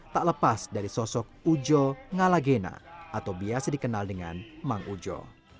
tak lepas dari sosok ujo ngalagena atau biasa dikenal dengan mang ujo